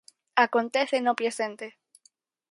Acontece no presente.